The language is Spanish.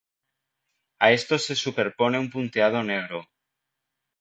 A esto se superpone un punteado negro.